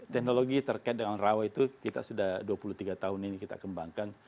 teknologi terkait dengan rawa itu kita sudah dua puluh tiga tahun ini kita kembangkan